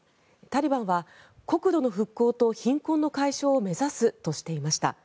タリバンは国土の復興と貧困の解消を目指すとしていました。